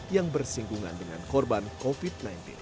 yang bersinggungan dengan korban covid sembilan belas